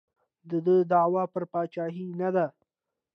د ده دعوا پر پاچاهۍ نه ده.